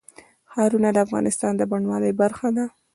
ښارونه د افغانستان د بڼوالۍ برخه ده.